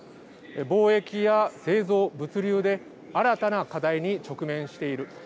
貿易や製造、物流で新たな課題に直面している。